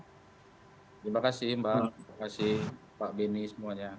terima kasih mbak terima kasih pak beni semuanya